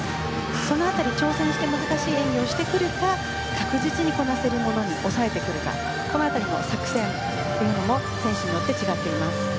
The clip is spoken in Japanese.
その辺り、挑戦して難しい演技をしてくるか確実にこなせるものに抑えてくるかこの辺りの作戦というのも選手によって違います。